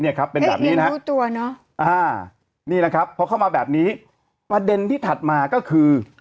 นี่นะครับเพราะเข้ามาแบบนี้ประเด็นที่ถัดมาก็คือ